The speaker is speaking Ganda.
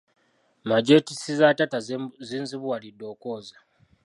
Mageetisi za taata zinzibuwalidde okwoza.